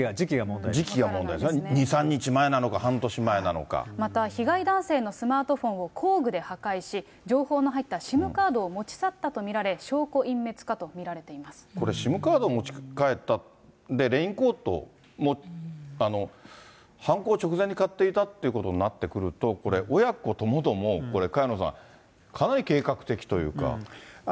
時期が問題ですね、２、３日また被害男性のスマートフォンを工具で破壊し、情報の入ったＳＩＭカードを持ち去ったと見られ、証拠隠滅かと見これ、ＳＩＭカードを持ち帰った、レインコート、犯行直前に買っていたということになると、これ、親子ともどもこれ、萱野さん、かなり計画的というか。